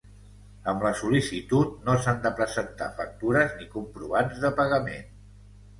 Amb la sol·licitud no s'han de presentar factures ni comprovants de pagament.